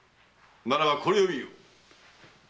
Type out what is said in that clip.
ならばこれを見よ。